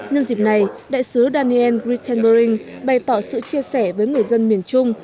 nhưng dịp này đại sứ daniel gris tembering bày tỏ sự chia sẻ với người dân miền trung